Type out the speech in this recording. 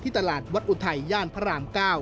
ตลาดวัดอุทัยย่านพระราม๙